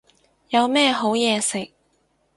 有咩好嘢食